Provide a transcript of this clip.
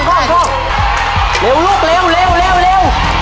จานหนับเอาไม่ไหวออก